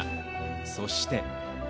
そして。